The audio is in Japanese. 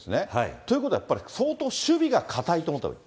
ということはやっぱり相当守備が堅いと思ったほうがいい？